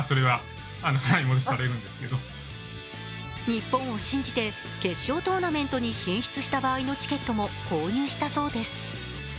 日本を信じて決勝トーナメントに進出した場合のチケットも購入したそうです。